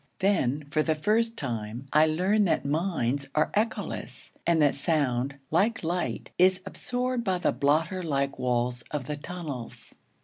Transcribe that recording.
Then, for the first time, I learned that mines are echoless, and that sound like light is absorbed by the blotter like walls of the tunnels.